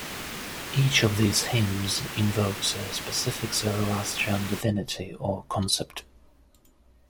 Each of these hymns invokes a specific Zoroastrian divinity or concept.